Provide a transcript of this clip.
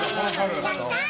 やったー！